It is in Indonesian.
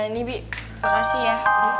nih bi makasih ya